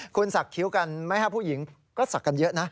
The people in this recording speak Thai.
คุณสักคิ้วกันไหมครับผู้หญิงก็สักกันเยอะนะ